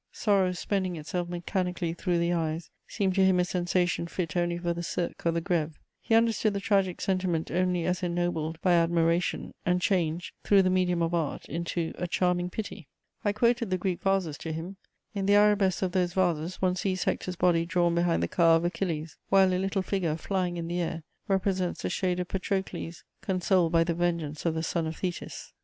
Sorrow spending itself mechanically through the eyes seemed to him a sensation fit only for the Cirque or the Grève; he understood the tragic sentiment only as ennobled by admiration and changed, through the medium of art, into "a charming pity." I quoted the Greek vases to him: in the arabesques of those vases one sees Hector's body drawn behind the car of Achilles, while a little figure, flying in the air, represents the shade of Patrocles, consoled by the vengeance of the son of Thetis.